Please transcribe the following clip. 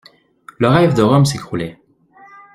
Le rêve de Rome s'écroulait.